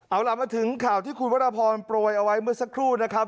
เอาล่ะมาถึงข่าวที่คุณวรพรโปรยเอาไว้เมื่อสักครู่นะครับ